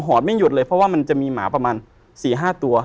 อดไม่หยุดเลยเพราะว่ามันจะมีหมาประมาณ๔๕ตัว